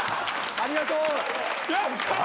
ありがとう！